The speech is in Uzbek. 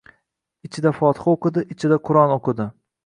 ichida fotiha o‘qidi, ichida qur’on o‘qidi.